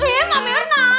ih mbak mirna